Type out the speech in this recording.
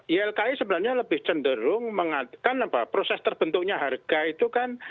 ylki sebenarnya lebih cenderung mengatakan proses terbentuknya harga itu kan